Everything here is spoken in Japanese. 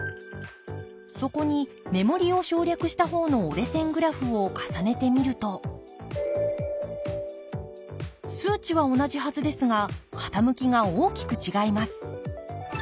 そこに目盛りを省略した方の折れ線グラフを重ねてみると数値は同じはずですが傾きが大きく違います。